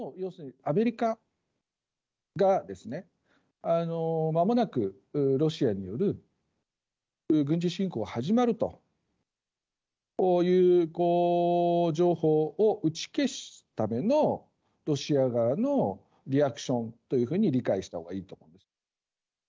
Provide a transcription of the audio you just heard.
アメリカがまもなくロシアによる軍事侵攻が始まるという情報を打ち消すためのロシア側のリアクションというふうに理解したほうがいいと思います。